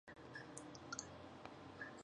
زه خپل کتاب د بالښت پر سر ایښی دی.